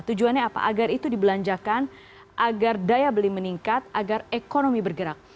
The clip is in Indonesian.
tujuannya apa agar itu dibelanjakan agar daya beli meningkat agar ekonomi bergerak